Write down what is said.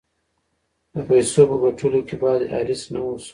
د پیسو په ګټلو کې باید حریص نه اوسو.